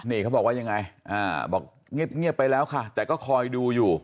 นี่เขาบอกว่ายังไงบอกเงียบไปแล้วค่ะแต่ก็คอยดูอยู่